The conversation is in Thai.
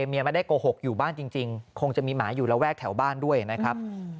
ไม่ได้โกหกอยู่บ้านจริงคงจะมีหมาอยู่ระแวกแถวบ้านด้วยนะครับ